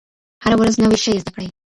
هره ورځ نوی شی زده کړئ.